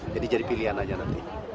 jadi jadi pilihan aja nanti